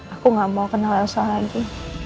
aku nggak mau kenal elsa lagi